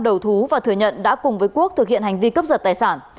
đầu thú và thừa nhận đã cùng với quốc thực hiện hành vi cướp giật tài sản